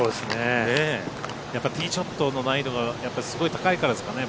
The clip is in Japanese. やっぱティーショットの難易度がすごい高いからですかね。